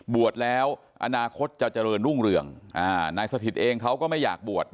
บวชแล้วอนาคตจะเจริญรุ่งเรืองนายสถิตเองเขาก็ไม่อยากบวช